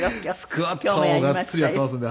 スクワットはもうがっつりやっていますんで。